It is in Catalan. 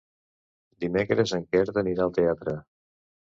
Dimecres en Quer anirà al teatre.